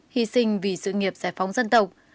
hy sinh vì sự nghiệp giải phóng dân tộc